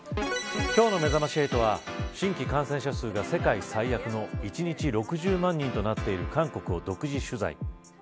今日のめざまし８は新規感染者数が世界最悪の一日６０万人となっている韓国を独自取材。